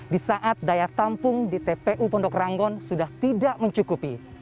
di saat daya tampung di tpu pondok ranggon sudah tidak mencukupi